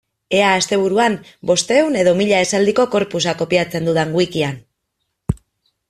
Ea asteburuan bostehun edo mila esaldiko corpusa kopiatzen dudan wikian.